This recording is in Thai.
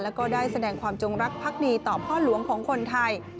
แล้วก็ได้แสดงความจงรักภักดีต่อพ่อหลวงของคนไทย